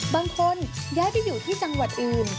บางคนย้ายไปอยู่ที่จังหวัดอื่น